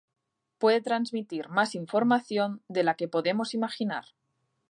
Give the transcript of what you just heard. puede transmitir más información de la que podamos imaginar